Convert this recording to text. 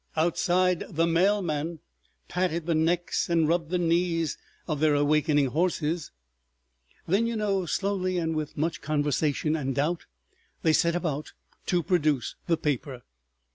Outside, the mail men patted the necks and rubbed the knees of their awakening horses. ... Then, you know, slowly and with much conversation and doubt, they set about to produce the paper.